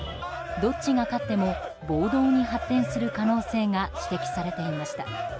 どっちが勝っても暴動に発展する可能性が指摘されていました。